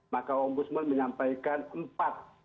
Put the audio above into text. maka ombudsman menyampaikan empat